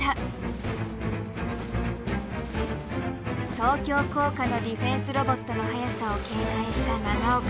東京工科のディフェンスロボットの速さを警戒した長岡。